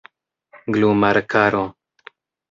glumarkaro